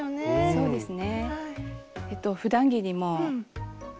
そうですね。